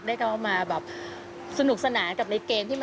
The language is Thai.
แต่ถามว่าคุมใจสนุกไหม